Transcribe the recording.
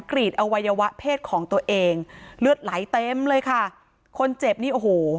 กรีดอวัยวะเพศของตัวเองเลือดไหลเต็มเลยค่ะคนเจ็บนี่โอ้โห